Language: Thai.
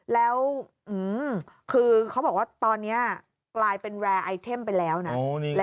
แล้วคือเขาบอกว่าตอนนี้กลายเป็นแวร์ไอเทมไปแล้วนะ